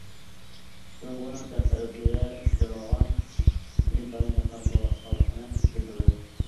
جۇڭگونىڭ تەنتەربىيە ئىشلىرىغا ئىنتايىن دىققەت قىلىۋاتقانلىقىنى بىلدۈردى.